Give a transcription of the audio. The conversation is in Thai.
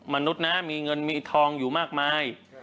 มนุษย์นะมีเงินมีทองอยู่มากมาย